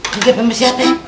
ke gap yang siapa ya